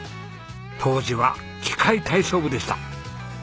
当時は器械体操部でした。